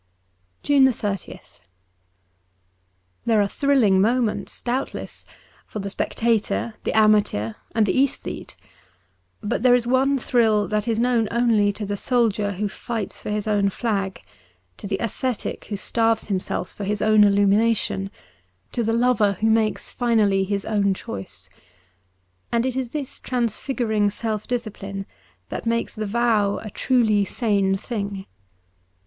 199 JUNE 30th THERE are thrilling moments, doubtless, for the spectator, the amateur, and the aesthete ; but there is one thrill that is known only to the soldier who fights for his own flag, to the ascetic who starves himself for his own illumination, to the lover who makes finally his own choice. And it is this transfiguring self discipline that makes the vow a truly sane thing.